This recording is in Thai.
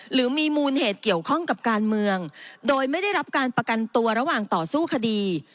หรือมีมูลเหตุเกี่ยวข้องกับการเมืองโดยไม่ได้รับการประกันตัวระหว่างต่อสู้คดี